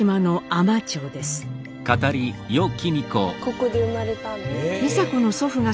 ここで生まれたんです。